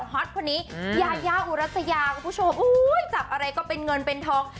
ฮอตคนนี้ยายาอุรัสยาคุณผู้ชมอุ้ยจับอะไรก็เป็นเงินเป็นทอง